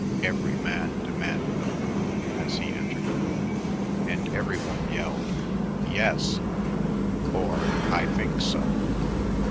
every man demanded of the room as he entered; and every one yelled, "Yes," or, "I think so."